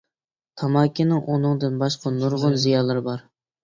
تاماكىنىڭ ئۇنىڭدىن باشقا نۇرغۇن زىيانلىرى بار.